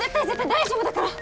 大丈夫だから！